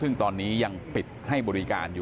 ซึ่งตอนนี้ยังปิดให้บริการอยู่